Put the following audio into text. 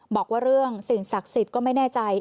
บอกว่าเรื่องสิ่งศักดิ์สิทธิ์ก็ไม่แน่ใจ